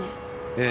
ええ。